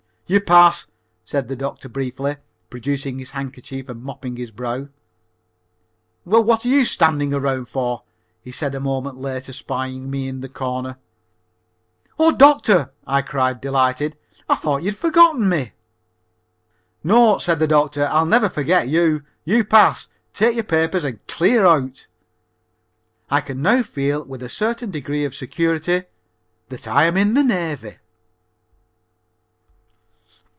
"You pass," said the doctor briefly, producing his handkerchief and mopping his brow. "Well, what are you standing around for?" he said a moment later, spying me in my corner. "Oh, doctor," I cried, delighted, "I thought you had forgotten me." "No," said the doctor, "I'll never forget you. You pass. Take your papers and clear out." I can now feel with a certain degree of security that I am in the Navy.